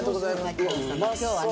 今日はね